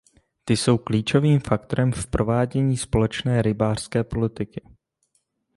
Ty jsou klíčovým faktorem v provádění společné rybářské politiky.